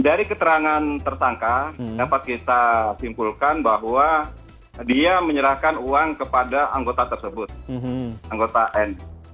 dari keterangan tersangka dapat kita simpulkan bahwa dia menyerahkan uang kepada anggota tersebut anggota n